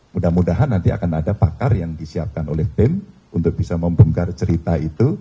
mudah mudahan nanti akan ada pakar yang disiapkan oleh tim untuk bisa membongkar cerita itu